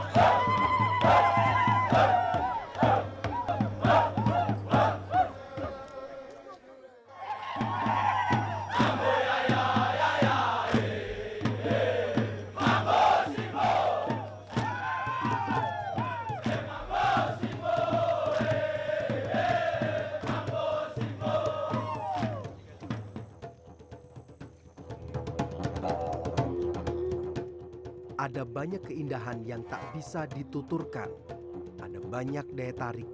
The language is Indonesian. hikayat tari perang